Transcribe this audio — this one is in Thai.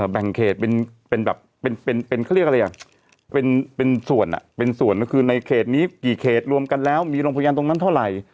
แบ่งเขตเป็นแบบเป็นเป็นเป็นเขาเรียกอะไรอย่างเป็นเป็นส่วนอ่ะเป็นส่วนคือในเขตนี้กี่เขตรวมกันแล้วมีรองพยานตรงนั้นเท่าไหร่